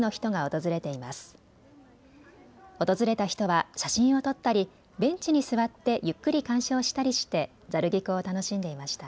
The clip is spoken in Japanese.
訪れた人は写真を撮ったりベンチに座ってゆっくり観賞したりしてざる菊を楽しんでいました。